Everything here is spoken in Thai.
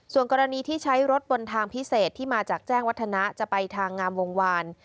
ส่วนกรณีที่ใช้รถบนทางพิเศษที่มาจากแจ้งวัฒนะจะไปทางงามวงวาน